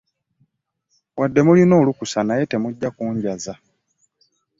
Wadde mulina olukusa naye temujja kunjaza.